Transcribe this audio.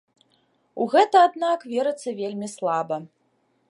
У гэта, аднак, верыцца вельмі слаба.